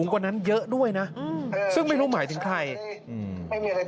ใครจะด้วยนะปั้นไปงี้ให้แบบไหน